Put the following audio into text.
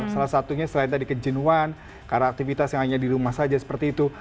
salah satunya selain tadi kejenuan karena aktivitas yang hanya di rumah saja seperti itu